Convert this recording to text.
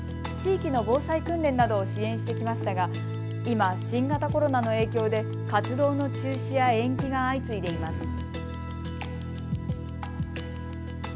地域の防災訓練などを支援してきましたが今、新型コロナの影響で活動の中止や延期が相次いでいます。